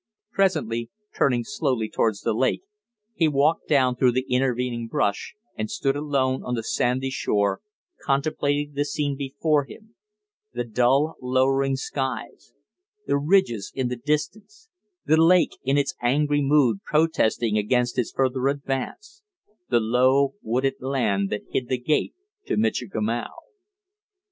Presently, turning slowly towards the lake, he walked down through the intervening brush and stood alone on the sandy shore contemplating the scene before him the dull, lowering skies, the ridges in the distance, the lake in its angry mood protesting against his further advance, the low, wooded land that hid the gate to Michikamau.